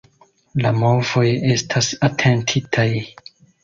La movoj estas atentitaj.